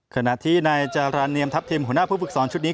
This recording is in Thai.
ขณะที่นายจาราเนียมทัพทิมหัวหน้าผู้ฝึกสอนชุดนี้